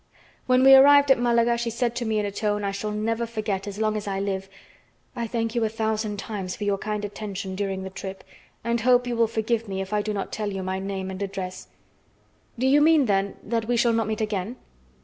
When we arrived at Malaga, she said to me in a tone I shall never forget as long as I live: "I thank you a thousand times for your kind attention during the trip, and hope you will forgive me if I do not tell you my name and address." "Do you mean then that we shall not meet again?"